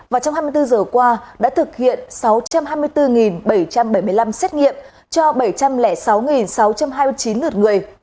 và trong hai mươi bốn giờ qua đã thực hiện sáu trăm hai mươi bốn bảy trăm bảy mươi năm xét nghiệm cho bảy trăm linh sáu sáu trăm hai mươi chín lượt người